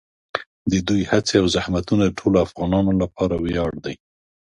د دوی هڅې او زحمتونه د ټولو افغانانو لپاره ویاړ دي.